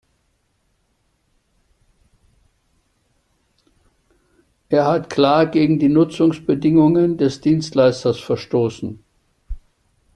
Er hat klar gegen die Nutzungsbedingungen des Dienstleisters verstoßen.